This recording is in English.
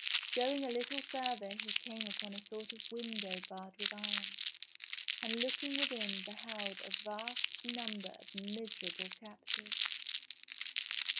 Going a little further he came upon a sort of window barred with iron, and looking within beheld a vast number of miserable captives.